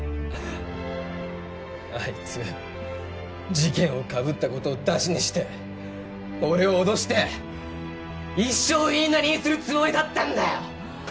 あいつ事件をかぶったことをダシにして俺を脅して一生いいなりにするつもりだったんだよ！